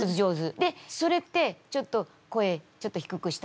でそれってちょっと声ちょっと低くした？